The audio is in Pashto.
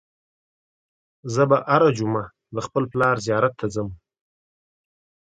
زه به هره جمعه د خپل پلار زیارت ته ځم.